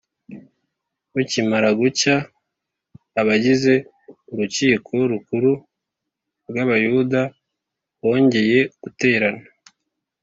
bukimara gucya, abagize urukiko rukuru rw’abayuda bongeye guterana,